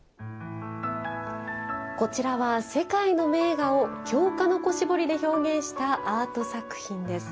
こちらは、世界の名画を京鹿の子絞りで表現したアート作品です。